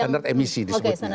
standar emisi disebutnya